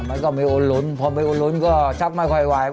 มันก็มีอุลหลุ้นพอมีอุลหลุ้นก็ชักไม่ค่อยไหว